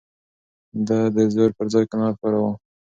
ده د زور پر ځای قناعت کاراوه.